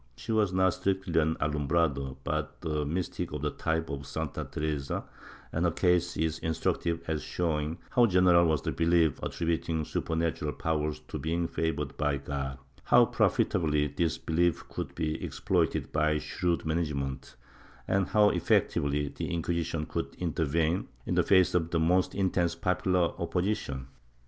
She was not strictly an Alumbrado but a mystic of the type of Santa Teresa, and her case is instructive as showing how general was the belief attributing supernatural powers to beings favored by God, how profitably this behef could be exploited by shrewd management, and how effectively the Inquisition could intervene, in the face of the most intense popular opposition.